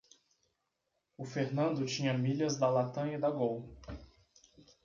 O Fernando tinha milhas da Latam e da Gol.